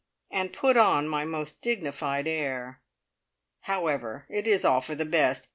and put on my most dignified air. "However, it is all for the best.